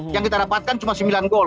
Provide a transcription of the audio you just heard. yang kita dapatkan cuma sembilan gol